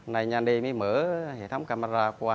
nên anh đi mới mở hệ thống camera qua